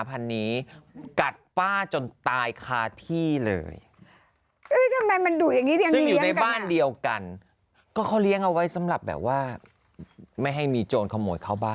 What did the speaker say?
พี่พูดให้ดีค่ะเป็นอะไรนะ